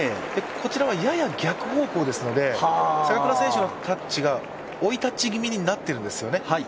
こちらは、やや逆方向ですので、坂倉選手のタッチが追いタッチ気味になってるんですよね。